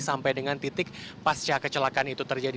sampai dengan titik pasca kecelakaan itu terjadi